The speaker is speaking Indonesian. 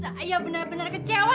saya benar benar kecewa